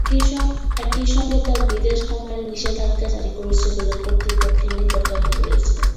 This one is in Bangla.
একইসঙ্গে তার বিদেশ গমনে নিষেধাজ্ঞা জারি করেছে বলে কর্তৃপক্ষের নিকট তথ্য রয়েছে।